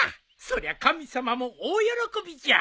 そりゃ神様も大喜びじゃ。